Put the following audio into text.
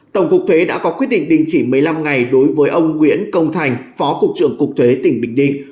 tổng cục thuế đã có quyết định đình chỉ một mươi năm ngày đối với ông nguyễn công thành phó cục trưởng cục thuế tỉnh bình định